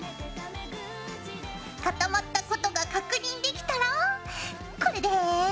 固まったことが確認できたらこれで。